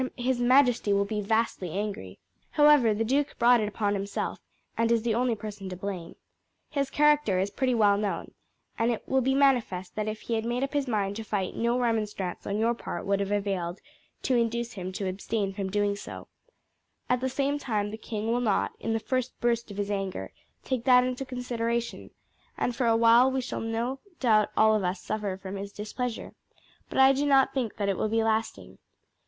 His majesty will be vastly angry. However, the duke brought it upon himself, and is the only person to blame. His character is pretty well known, and it will be manifest that if he had made up his mind to fight no remonstrance on your part would have availed to induce him to abstain from doing so. At the same time the king will not, in the first burst of his anger, take that into consideration, and for awhile we shall no doubt all of us suffer from his displeasure; but I do not think that it will be lasting.